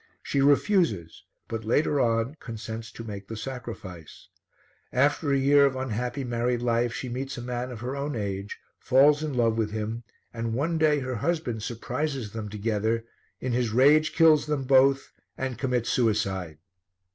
She refuses, but, later on, consents to make the sacrifice. After a year of unhappy married life she meets a man of her own age, falls in love with him, and one day her husband surprises them together, in his rage kills them both and commits suicide.